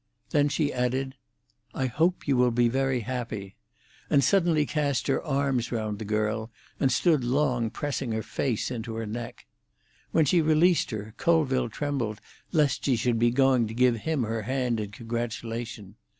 Then she added, "I hope you will be very happy," and suddenly cast her arms round the girl, and stood long pressing her face into her neck. When she released her, Colville trembled lest she should be going to give him her hand in congratulation.